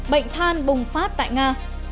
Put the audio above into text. bệnh than bùng phát tại nga